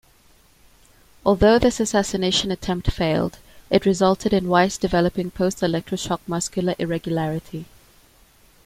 Although this assassination attempt failed, it resulted in Weis developing post-electroshock muscular irregularity.